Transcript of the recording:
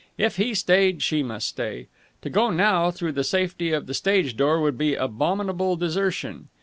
If he stayed, she must stay. To go now through the safety of the stage door would be abominable desertion.